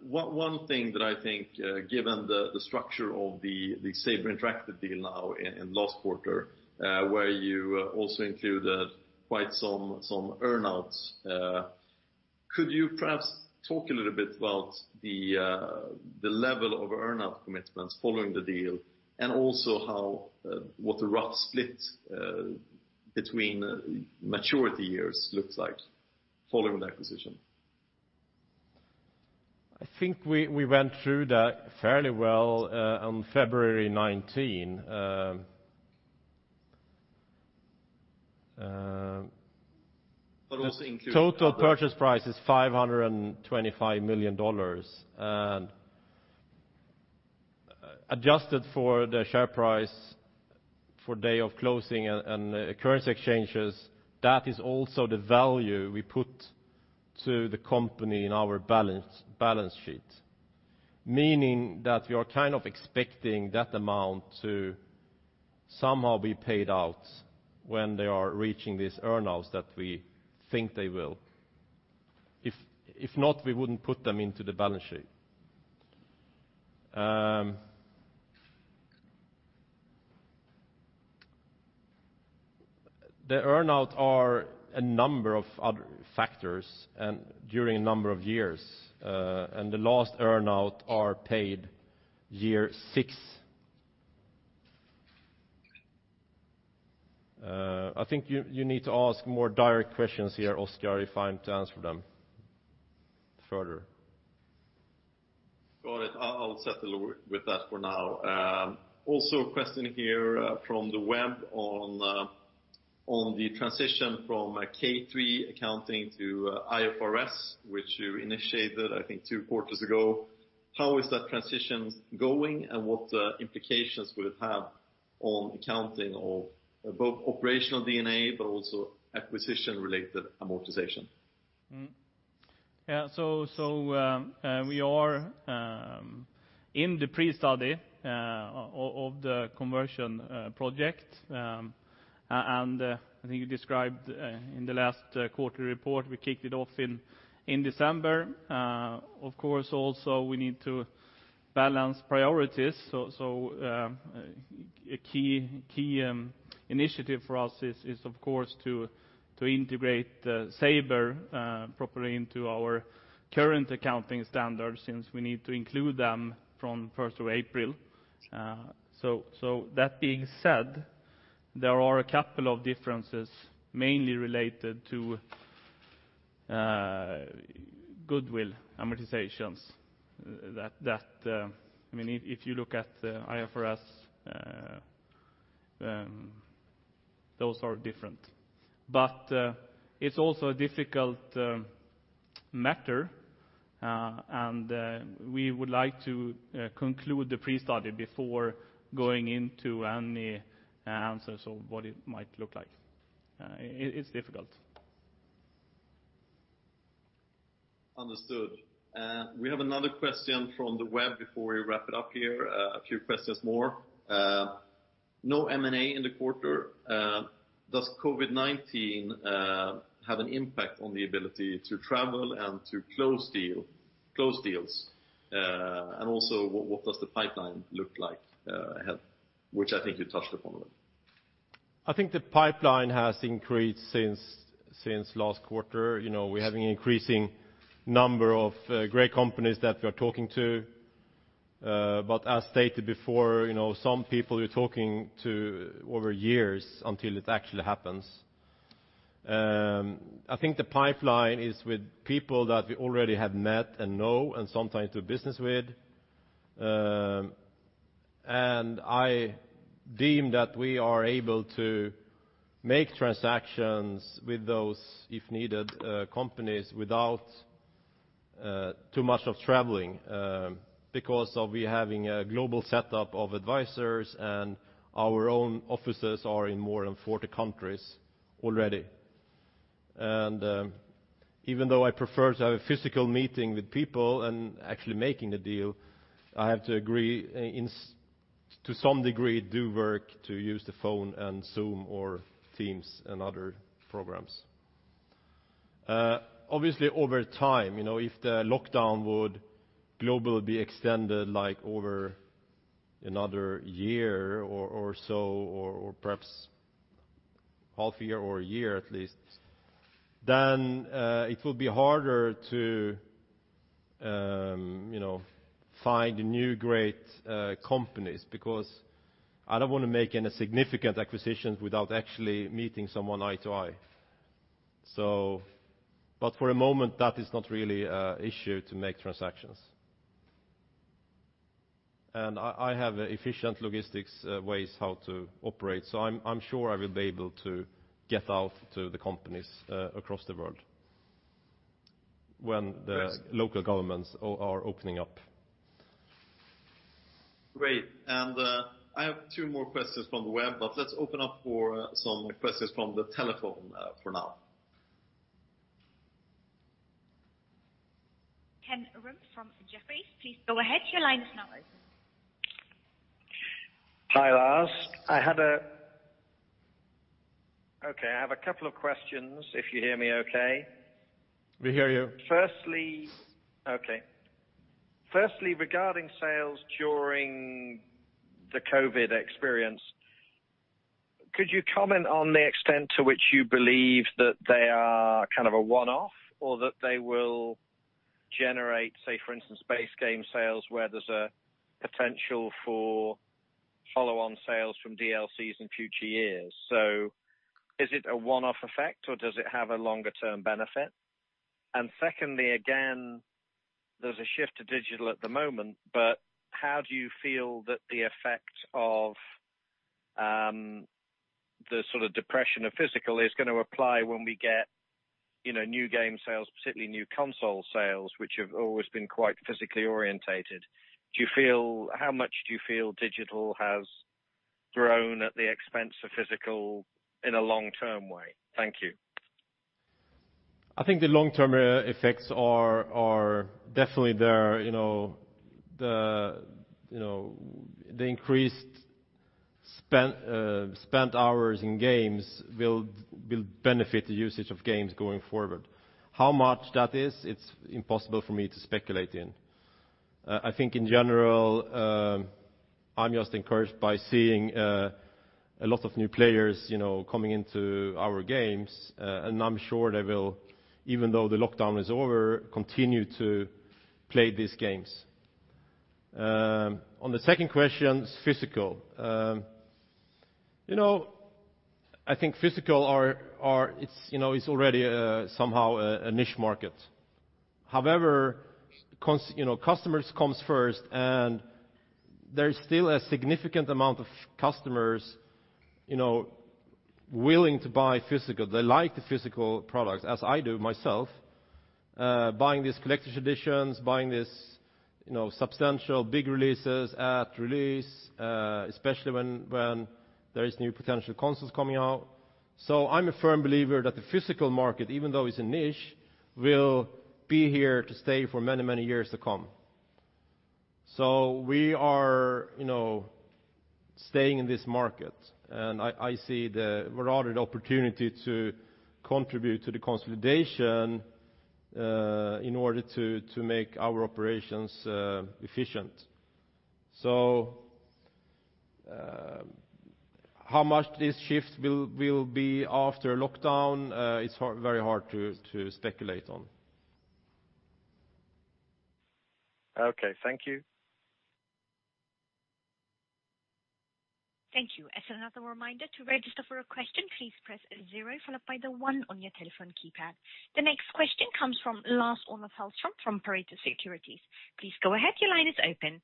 One thing that I think given the structure of the Saber Interactive deal now in last quarter where you also included quite some earn-outs, could you perhaps talk a little bit about the level of earn-out commitments following the deal, and also what the rough split between maturity years looks like following the acquisition? I think we went through that fairly well on February 19. But also including- Total purchase price is $525 million. Adjusted for the share price for day of closing and currency exchanges, that is also the value we put to the company in our balance sheet. Meaning that we are kind of expecting that amount to somehow be paid out when they are reaching these earn-outs that we think they will. If not, we wouldn't put them into the balance sheet. The earn-out are a number of other factors and during a number of years, and the last earn-out are paid year six. I think you need to ask more direct questions here, Oscar, if I'm to answer them further. Got it. I'll settle with that for now. A question here from the web on the transition from K3 accounting to IFRS, which you initiated, I think two quarters ago. How is that transition going? What implications will it have on accounting of both operational D&A, but also acquisition-related amortization? Yeah. We are in the pre-study of the conversion project. I think we described in the last quarterly report, we kicked it off in December. Of course, also we need to balance priorities. A key initiative for us is, of course, to integrate Saber properly into our current accounting standards since we need to include them from 1st of April. That being said, there are a couple of differences mainly related to goodwill amortizations that if you look at the IFRS, those are different. It's also a difficult matter, and we would like to conclude the pre-study before going into any answers of what it might look like. It's difficult. Understood. We have another question from the web before we wrap it up here. A few questions more. No M&A in the quarter. Does COVID-19 have an impact on the ability to travel and to close deals? Also what does the pipeline look like ahead? Which I think you touched upon. I think the pipeline has increased since last quarter. We're having increasing number of great companies that we're talking to. As stated before, some people we're talking to over years until it actually happens. I think the pipeline is with people that we already have met and know and sometimes do business with. And I deem that we are able to make transactions with those, if needed, companies without too much of traveling, because of we having a global setup of advisors and our own offices are in more than 40 countries already. Even though I prefer to have a physical meeting with people and actually making the deal, I have to agree to some degree, do work to use the phone and Zoom or Teams and other programs. Obviously over time, if the lockdown would globally be extended like over another year or so or perhaps half a year or a year at least, it will be harder to find new great companies, because I don't want to make any significant acquisitions without actually meeting someone eye to eye. For a moment, that is not really a issue to make transactions. I have efficient logistics ways how to operate, so I'm sure I will be able to get out to the companies across the world when the local governments are opening up. Great. I have two more questions from the web. Let's open up for some questions from the telephone for now. Kenshi Arasaki from Jefferies, please go ahead. Your line is now open. Hi, Lars. Okay. I have a couple of questions if you hear me okay. We hear you. Firstly, regarding sales during the COVID-19 experience, could you comment on the extent to which you believe that they are kind of a one-off or that they will generate, say for instance, base game sales where there's a potential for follow-on sales from DLCs in future years? Is it a one-off effect or does it have a longer-term benefit? Secondly, again, there's a shift to digital at the moment, but how do you feel that the effect of the sort of depression of physical is going to apply when we get new game sales, particularly new console sales, which have always been quite physically oriented? How much do you feel digital has grown at the expense of physical in a longer-term way? Thank you. I think the long-term effects are definitely there. The increased spent hours in games will benefit the usage of games going forward. How much that is? It's impossible for me to speculate in. I think in general, I'm just encouraged by seeing a lot of new players coming into our games. I'm sure they will, even though the lockdown is over, continue to play these games. On the second question, physical. I think physical is already somehow a niche market. Customers comes first and there's still a significant amount of customers willing to buy physical. They like the physical products, as I do myself, buying these collector's editions, buying these substantial big releases at release, especially when there is new potential consoles coming out. I'm a firm believer that the physical market, even though it's a niche, will be here to stay for many, many years to come. We are staying in this market, and I see the broader opportunity to contribute to the consolidation, in order to make our operations efficient. How much this shift will be after lockdown, it's very hard to speculate on. Okay. Thank you. Thank you. As another reminder, to register for a question, please press zero followed by the one on your telephone keypad. The next question comes from Lars-Olof Alström from Pareto Securities. Please go ahead. Your line is open.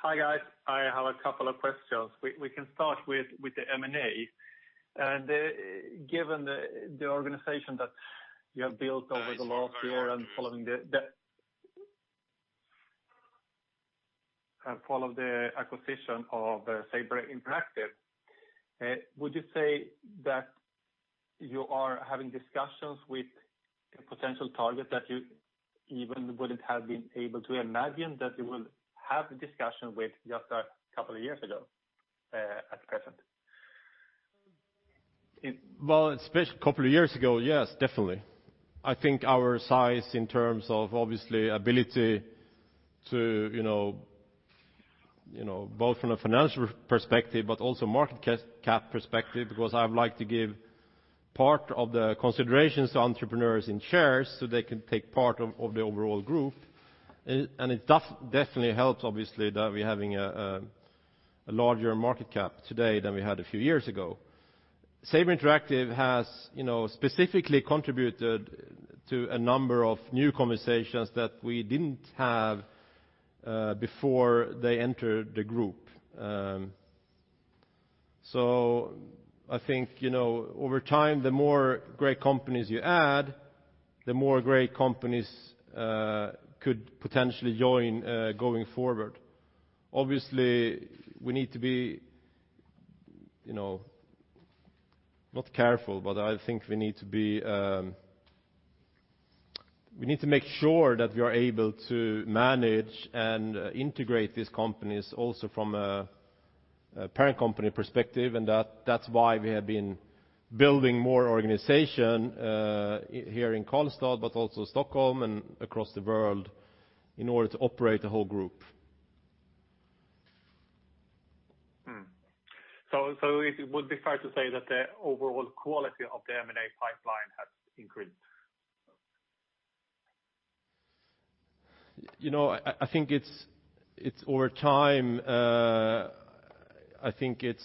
Hi, guys. I have a couple of questions. We can start with the M&A. Given the organization that you have built over the last year and following the acquisition of Saber Interactive, would you say that you are having discussions with a potential target that you even wouldn't have been able to imagine that you will have a discussion with just a couple of years ago at present? Well, especially a couple of years ago, yes, definitely. I think our size in terms of obviously ability to, both from a financial perspective, but also market cap perspective, because I would like to give part of the considerations to entrepreneurs in shares so they can take part of the overall group. It definitely helps, obviously, that we're having a larger market cap today than we had a few years ago. Saber Interactive has specifically contributed to a number of new conversations that we didn't have before they entered the group. I think, over time, the more great companies you add, the more great companies could potentially join going forward. Obviously, we need to be, not careful, but I think we need to make sure that we are able to manage and integrate these companies also from a parent company perspective. That's why we have been building more organization here in Karlstad, but also Stockholm and across the world in order to operate the whole group. It would be fair to say that the overall quality of the M&A pipeline has increased? I think over time, I think it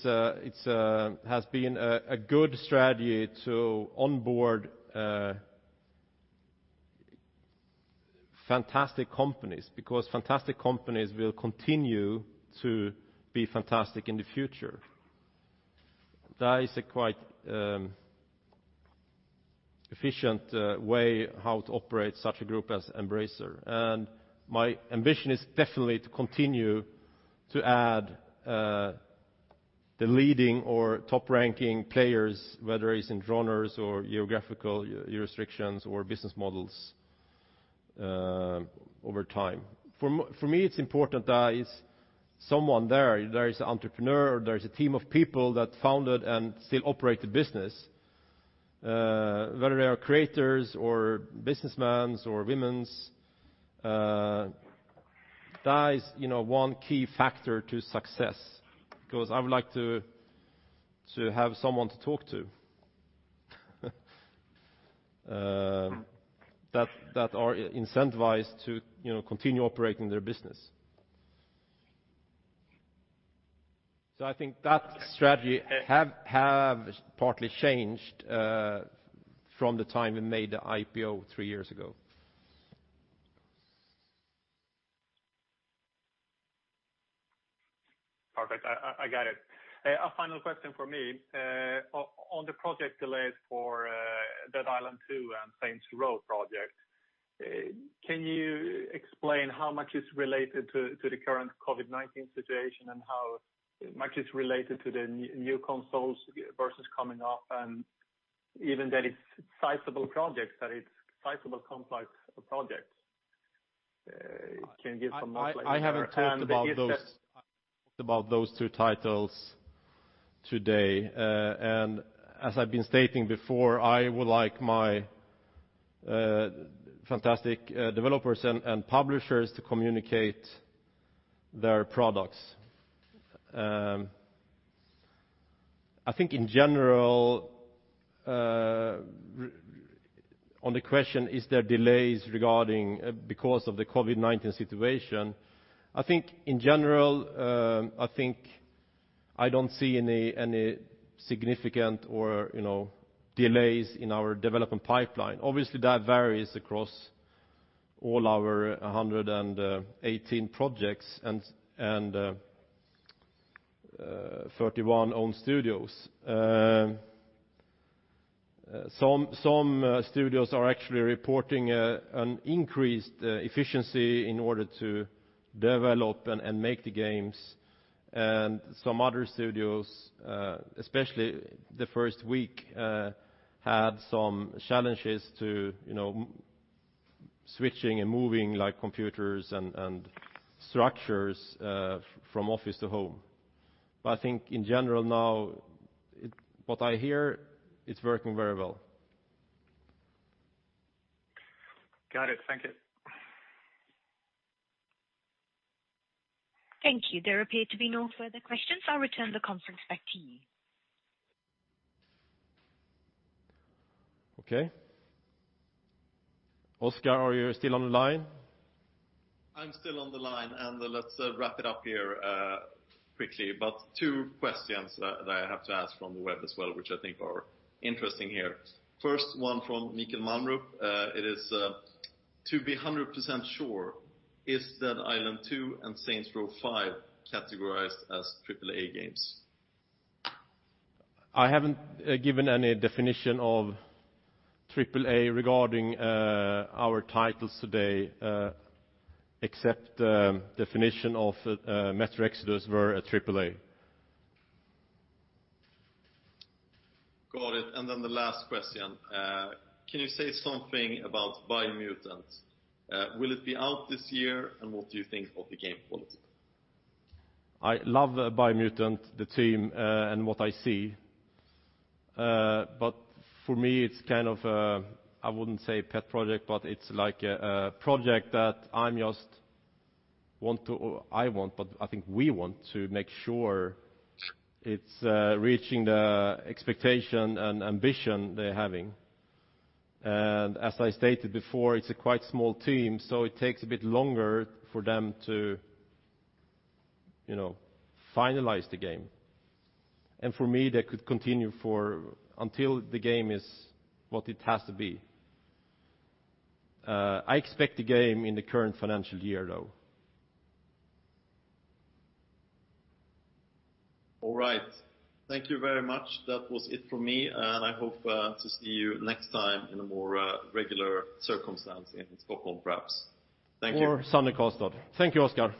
has been a good strategy to onboard fantastic companies, because fantastic companies will continue to be fantastic in the future. That is a quite efficient way how to operate such a group as Embracer. My ambition is definitely to continue to add the leading or top-ranking players, whether it's in genres or geographical jurisdictions or business models over time. For me, it's important that it's someone there. There is an entrepreneur, there is a team of people that founded and still operate the business, whether they are creators or businessmen or women. That is one key factor to success, because I would like to have someone to talk to that are incentivized to continue operating their business. I think that strategy have partly changed from the time we made the IPO three years ago. Perfect. I got it. A final question from me. On the project delays for Dead Island 2 and Saints Row project, can you explain how much is related to the current COVID-19 situation and how much is related to the new consoles versus coming off and even that it's sizable projects, that it's sizable complex projects? Can you give some more clarity there? I haven't talked about those two titles today. As I've been stating before, I would like my fantastic developers and publishers to communicate their products. I think in general, on the question, is there delays because of the COVID-19 situation, I don't see any significant delays in our development pipeline. Obviously, that varies across all our 118 projects and 31 own studios. Some studios are actually reporting an increased efficiency in order to develop and make the games. Some other studios, especially the first week, had some challenges to switching and moving computers and structures from office to home. I think in general now, what I hear, it's working very well. Got it. Thank you. Thank you. There appear to be no further questions. I'll return the conference back to you. Okay. Oscar, are you still on the line? I'm still on the line, let's wrap it up here quickly. Two questions that I have to ask from the web as well, which I think are interesting here. First one from Mikkel Manrup. It is, "To be 100% sure, is Dead Island 2 and Saints Row 5 categorized as AAA games? I haven't given any definition of AAA regarding our titles today except definition of Metro Exodus were a AAA. Got it. The last question, can you say something about Biomutant? Will it be out this year? What do you think of the game quality? I love Biomutant, the team, and what I see. For me, I wouldn't say pet project, it's like a project that I want, we want to make sure it's reaching the expectation and ambition they're having. As I stated before, it's a quite small team, it takes a bit longer for them to finalize the game. For me, that could continue until the game is what it has to be. I expect the game in the current financial year, though. All right. Thank you very much. That was it from me. I hope to see you next time in a more regular circumstance in Stockholm, perhaps. Thank you. Sunny Karlstad. Thank you, Oscar.